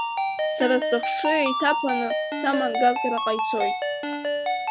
Сара сыхшыҩ еиҭаԥаны саман Гаграҟа ицоит.